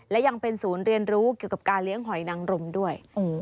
และยังเป็นศูนย์เรียนรู้เกี่ยวกับการเลี้ยงหอยนังรมด้วย